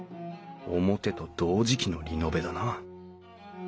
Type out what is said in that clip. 表と同時期のリノベだな。